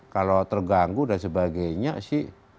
kalau terganggu dan sebagainya sih